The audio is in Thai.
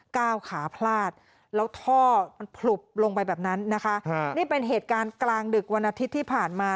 ก้าวขาพลาดแล้วท่อมันผลุบลงไปแบบนั้นนะคะนี่เป็นเหตุการณ์กลางดึกวันอาทิตย์ที่ผ่านมา